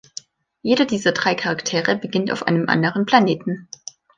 Jeder dieser drei Charaktere beginnt auf einem anderen Planeten.